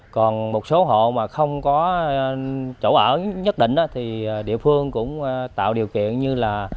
còn một số hộ mà không có chỗ ở nhất định thì địa phương cũng tạo điều kiện như là